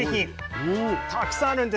たくさんあるんです。